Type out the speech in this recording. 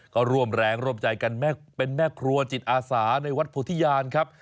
ก็ร่วมแรงร่วมใจกันเป็นแม่ครัวจิตอาสาในวัดโพธิญาณครับ